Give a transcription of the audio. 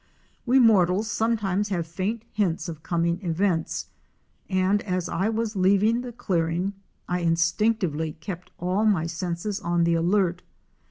We mortals sometimes have faint hints of coming events, and as I was leaving the clearing I instinctively kept all my senses on the alert.